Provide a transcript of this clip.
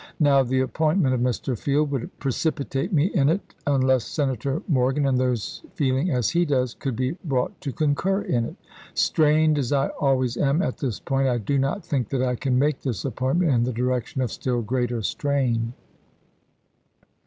Now the appointment of Mr. Field would precipitate me in it, un less Senator Morgan, and those feeling as he does, could Lincoln ^e brought to concur in it. Strained as I already am at to chase, this point, I do not think that I can make this appoint 1864. ms. ment in the direction of still greater strain.